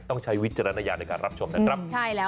ต้องใช้วิจารณญาณให้รับชมนะครับ